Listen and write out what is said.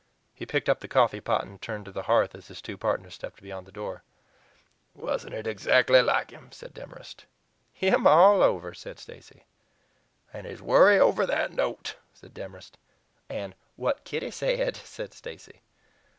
He picked up the coffeepot and turned to the hearth as his two partners stepped beyond the door. "Wasn't it exactly like him?" said Demorest. "Him all over," said Stacy. "And his worry over that note?" said Demorest. "And 'what Kitty said,'" said Stacy.